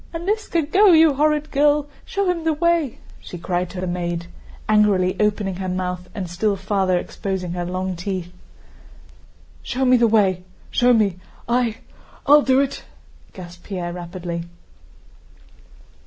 Aníska, go, you horrid girl, show him the way!" she cried to the maid, angrily opening her mouth and still farther exposing her long teeth. "Show me the way, show me, I... I'll do it," gasped Pierre rapidly.